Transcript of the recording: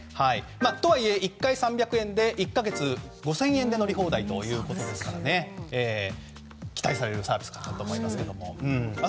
とはいえ、１回３００円で１か月５０００円で乗り放題ということですから期待されるサービスかなと思いますけども。